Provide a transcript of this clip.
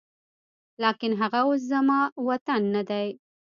لاکن هغه اوس زما وطن نه دی